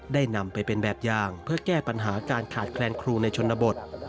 นำไปเป็นแบบอย่างเพื่อแก้ปัญหาการขาดแคลนครูในชนบท